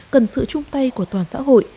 cần sự chung tay của toàn xã hội